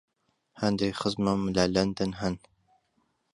هەندێک خزمم لە لەندەن هەن.